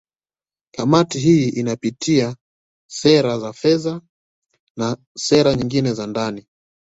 Kamati hii pia inapitia sera za fedha na sera nyingine za ndani